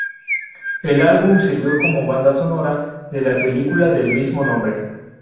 El álbum sirvió como banda sonora de la película del mismo nombre.